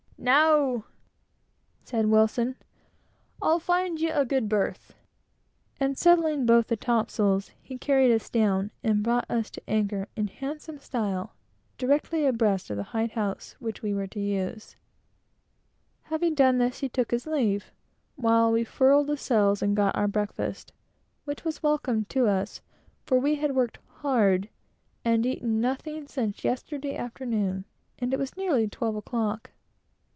"Now," said Wilson, "I'll find you a good berth;" and setting both the topsails, he carried us down, and brought us to anchor, in handsome style, directly abreast of the hide house which we were to use. Having done this, he took his leave, while we furled the sails, and got our breakfast, which was welcome to us, for we had worked hard, and it was nearly twelve o'clock.